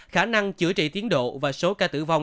khả năng chữa trị tiến độ và số ca tử vong